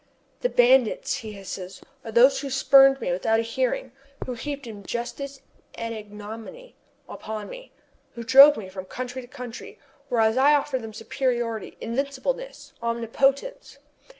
"The bandits," he hisses, "are those who spurned me without a hearing, who heaped injustice and ignominy upon me, who drove me from country to country, whereas I offered them superiority, invincibleness, omnipotence!"